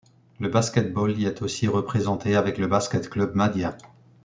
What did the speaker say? Le basket-ball y est aussi représenté avec le Basket Club Mahdia.